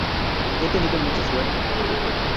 He tenido mucha suerte.